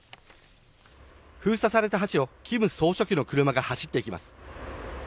封鎖された橋を金総書記の車が走っていきます。